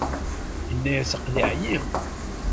In'as aql-i ɛyiɣ.